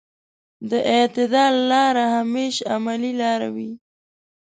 د اعتدال لاره همېش عملي لاره وي.